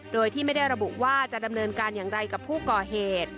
โดยที่ไม่ได้ระบุว่าจะดำเนินการอย่างไรกับผู้ก่อเหตุ